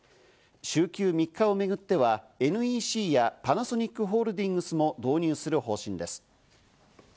週休３日をめぐってはＮＥＣやパナソニックホールディングスも導入する方針です。